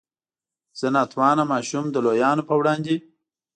زه نا توانه ماشوم د لویانو په وړاندې.